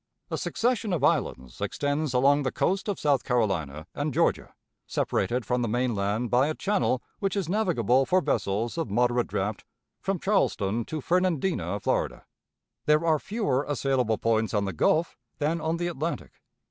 A succession of islands extends along the coast of South Carolina and Georgia, separated from the mainland by a channel which is navigable for vessels of moderate draft from Charleston to Fernandina, Florida. There are fewer assailable points on the Gulf than on the Atlantic.